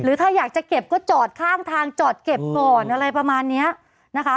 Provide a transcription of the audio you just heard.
ถ้าอยากจะเก็บก็จอดข้างทางจอดเก็บก่อนอะไรประมาณเนี้ยนะคะ